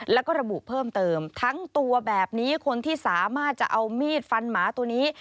แล้วก็ระบุเพิ่มเติมทั้งตัวแบบนี้คนที่สามารถจะเอามีดฟันหมาตัวนี้